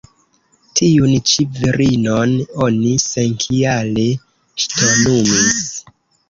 Tiun ĉi virinon oni senkiale ŝtonumis.